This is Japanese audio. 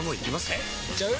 えいっちゃう？